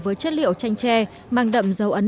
với chất liệu chanh tre mang đậm dấu ấn